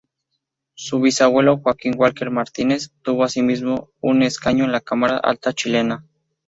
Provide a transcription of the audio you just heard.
Su bisabuelo Joaquín Walker Martínez tuvo asimismo un escaño en la cámara alta chilena.